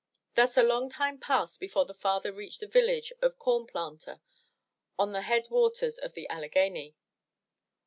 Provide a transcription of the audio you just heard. Thus a long time passed before the father reached the village of Corn Planter on the head waters of the Alleghany.